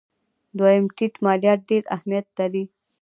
دویم: ټیټ مالیات ډېر اهمیت لري.